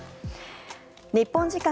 日本時間